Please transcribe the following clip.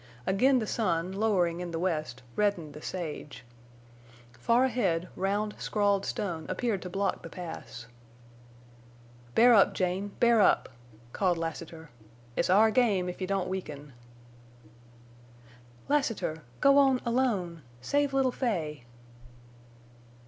Again the sun, lowering in the west, reddened the sage. Far ahead round, scrawled stone appeared to block the Pass. "Bear up, Jane, bear up!" called Lassiter. "It's our game, if you don't weaken." "Lassiter! Go on—alone! Save little Fay!"